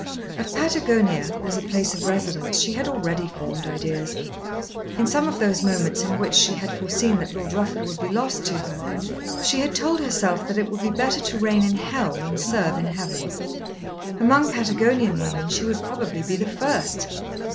Of Patagonia, as a place of residence, she had already formed ideas. In some of those moments in which she had foreseen that Lord Rufford would be lost to her, she had told herself that it would be better to reign in Hell than serve in Heaven. Among Patagonian women she would probably be the first.